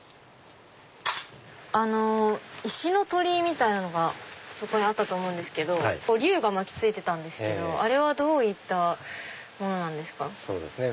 石の鳥居みたいなのがそこにあったと思うんですけど龍が巻き付いてたんですけどあれはどういったものですか？